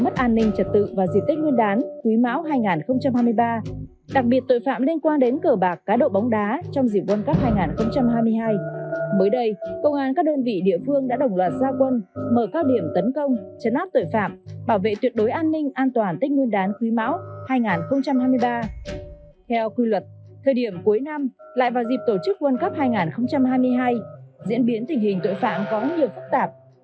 thời điểm cuối năm lại vào dịp tổ chức quân khắp hai nghìn hai mươi hai diễn biến tình hình tội phạm có nhiều phức tạp